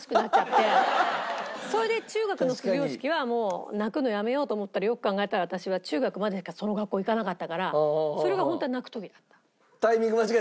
それで中学の卒業式はもう泣くのやめようと思ったらよく考えたら私は中学までしかその学校行かなかったからそれがホントは泣く時だった。